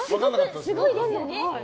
すごいですよね。